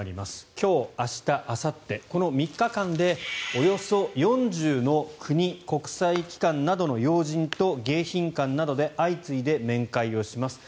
今日、明日、あさってこの３日間で、およそ４０の国・国際機関などの要人と迎賓館などで相次いで面会をします。